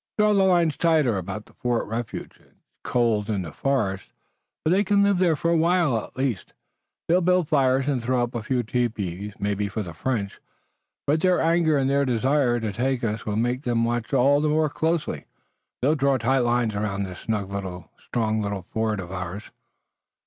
"Draw the lines tighter about Fort Refuge. It's cold in the forest, but they can live there for a while at least. They'll build fires and throw up a few tepees, maybe for the French. But their anger and their desire to take us will make them watch all the more closely. They'll draw tight lines around this snug little, strong little fort of ours."